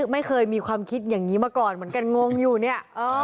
ไม่เคยมีความคิดอย่างนี้มาก่อนเหมือนกันงงอยู่เนี่ย